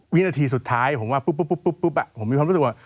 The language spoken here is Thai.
วินาทีสุดท้ายผมว่าปุ๊บผมมีความรู้สึกว่า